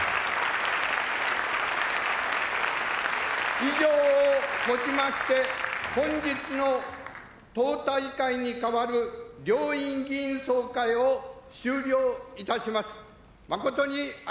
以上をもちまして、本日の党大会に代わる両院議員総会を終了いたします。